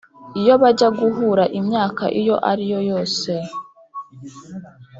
Iyo bajya guhura imyaka iyo ariyo yose